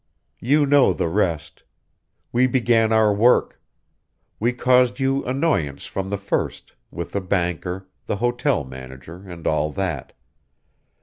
"You know the rest. We began our work. We caused you annoyance from the first, with the banker, the hotel manager, and all that.